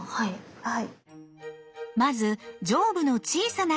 はい。